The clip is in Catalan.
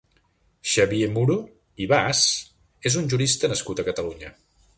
Xavier Muro i Bas és un jurista nascut a Catalunya.